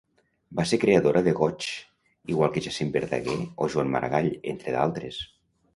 Va ser creadora de goigs, igual que Jacint Verdaguer o Joan Maragall, entre d'altres.